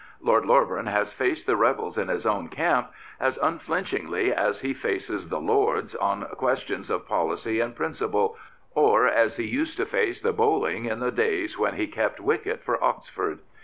Lord Loreburn has faced the rebels in his own camp as unflinchingly as he faces the Lords on questions of policy and principle, or as he used to face the bowling in the days when he kept wicket for Oxford.